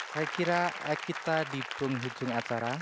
saya kira kita di penghujung atara